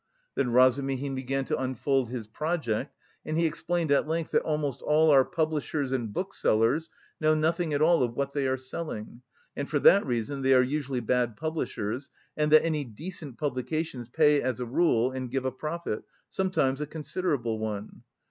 Then Razumihin began to unfold his project, and he explained at length that almost all our publishers and booksellers know nothing at all of what they are selling, and for that reason they are usually bad publishers, and that any decent publications pay as a rule and give a profit, sometimes a considerable one.